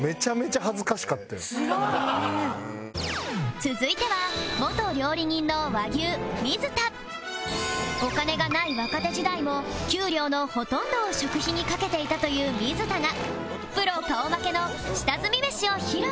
続いてはお金がない若手時代も給料のほとんどを食費にかけていたという水田がプロ顔負けの下積みメシを披露